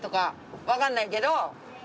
わかんないけど。